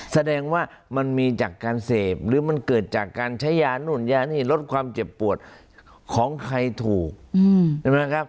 แสดงว่ามันมีจากการเสพหรือมันเกิดจากการใช้ยานู่นยานี่ลดความเจ็บปวดของใครถูกใช่ไหมครับ